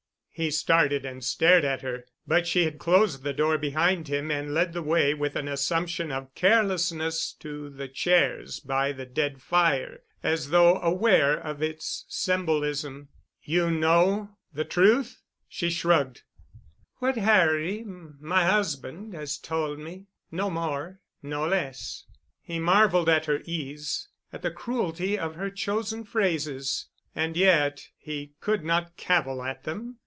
He started and stared at her, but she had closed the door behind him and led the way with an assumption of carelessness to the chairs by the dead fire, as though aware of its symbolism. "You know—the truth?" She shrugged. "What Harry—what my husband—has told me, no more—no less." He marveled at her ease, at the cruelty of her chosen phrases. And yet he could not cavil at them.